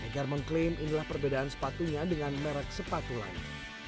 egar mengklaim inilah perbedaan sepatunya dengan merek sepatu lain